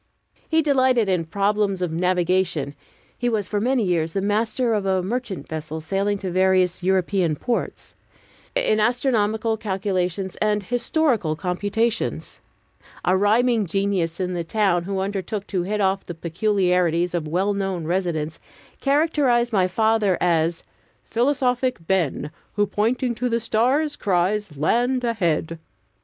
He delighted in problems of navigation (he was for many years the master of a merchant vessel sailing to various European ports), in astronomical calculations and historical computations. A rhyming genius in the town, who undertook to hit off the peculiarities of well known residents, characterized my father as "Philosophic Ben, Who, pointing to the stars, cries, Land ahead!"